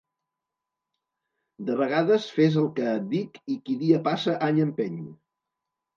De vegades fes el que et dic i qui dia passa any empeny.